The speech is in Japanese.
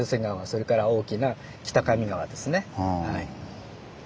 それから大きな北上川ですね。